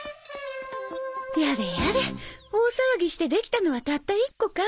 やれやれ大騒ぎしてできたのはたった１個か。